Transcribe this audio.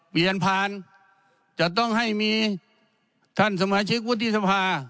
เปลี่ยนผ่านจะต้องให้มีท่านสมาชิกวุฒิสภา